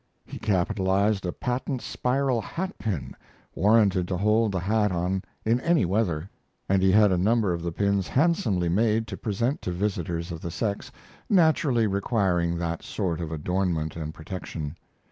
He capitalized a patent spiral hat pin, warranted to hold the hat on in any weather, and he had a number of the pins handsomely made to present to visitors of the sex naturally requiring that sort of adornment and protection.